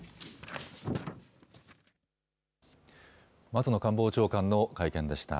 松野官房長官の会見でした。